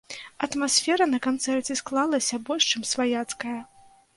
Атмасфера на канцэрце склалася больш чым сваяцкая.